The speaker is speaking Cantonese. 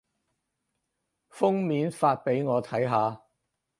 封面發畀我睇下